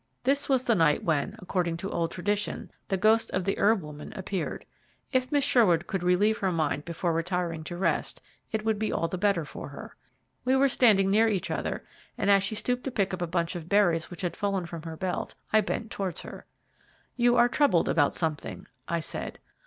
This was the night when, according to old tradition, the ghost of the herb woman appeared. If Miss Sherwood could relieve her mind before retiring to rest, it would be all the better for her. We were standing near each other, and as she stooped to pick up a bunch of berries which had fallen from her belt, I bent towards her. "You are troubled about something," I said.